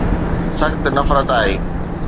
سخت نفرت آهي